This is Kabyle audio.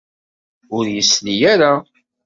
Ur yesli ara.